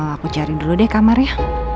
aku jaring dulu deh kamarnya